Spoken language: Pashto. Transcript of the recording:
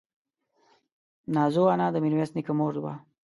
نازو انا د ميرويس نيکه مور وه.